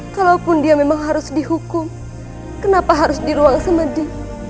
kalaupun dia memang harus dihukum kenapa harus di ruang semedi